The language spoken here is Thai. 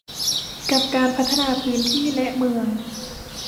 กับการพัฒนาพื้นที่และเมือง